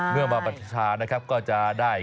เมื่อมาปฏิชานะครับก็จะได้